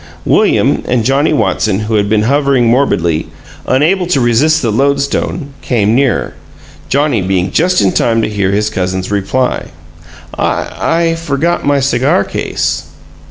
William and Johnnie Watson, who had been hovering morbidly, unable to resist the lodestone, came nearer, Johnnie being just in time to hear his cousin's reply. "I I forgot my cigar case."